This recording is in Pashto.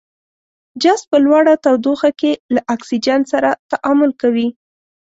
جست په لوړه تودوخه کې له اکسیجن سره تعامل کوي.